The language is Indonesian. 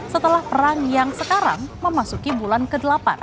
setelah perang yang sekarang memasuki bulan ke delapan